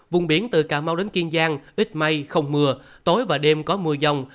vùng biển từ cà mau đến kiên giang ít mây không mưa tối và đêm có mưa dông